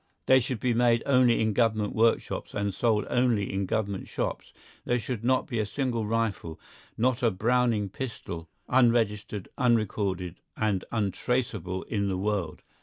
They should be made only in Government workshops and sold only in Government shops; there should not be a single rifle, not a Browning pistol, unregistered, unrecorded, and untraceable in the world.